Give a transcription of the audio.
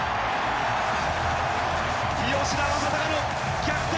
吉田正尚の逆転